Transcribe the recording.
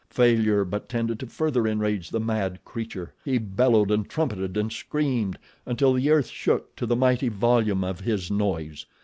Failure but tended to further enrage the mad creature. He bellowed and trumpeted and screamed until the earth shook to the mighty volume of his noise.